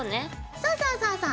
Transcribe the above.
そうそうそうそう。